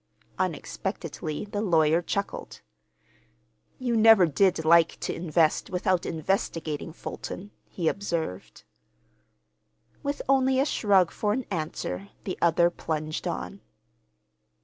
Unexpectedly the lawyer chuckled. "You never did like to invest without investigating, Fulton," he observed. With only a shrug for an answer the other plunged on.